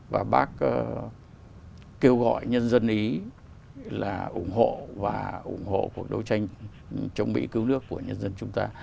và bác kêu gọi nhân dân ý là ủng hộ và ủng hộ cuộc đấu tranh chống mỹ cứu nước của nhân dân chúng ta